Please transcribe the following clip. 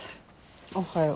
おはよう。